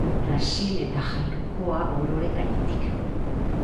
Brasil eta Jainkoa ororen gainetik.